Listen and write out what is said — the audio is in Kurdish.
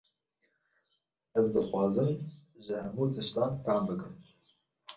Ez dixwazim, ji hemû tiştan fêhm bikim